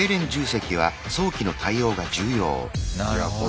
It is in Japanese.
なるほど。